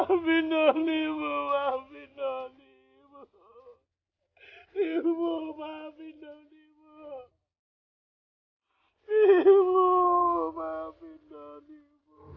maafin don ibu maafin don ibu ibu maafin don ibu ibu maafin don ibu